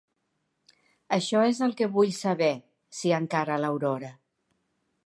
Això és el que vull saber —s'hi encara l'Aurora—.